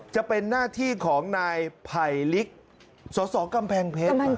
จะเป็นหน้าที่ของนายไผ่ลิกสสกำแพงเพชร